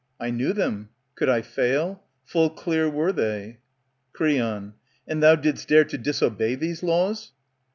I knew them. Could I fail ? Full clear were they. Creon, And thou did'st dare to disobey these laws